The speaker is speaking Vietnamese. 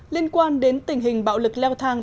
liên quan đến tình hình bạo lực leo thang